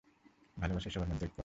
ভালোবাসাই সবার মধ্যে ঐক্য আনে।